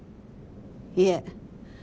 いえ